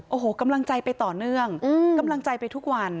โอ้โหกำลังใจไปต่อเนื่องกำลังใจไปทุกวัน